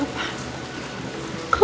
kamu boleh sembunyikan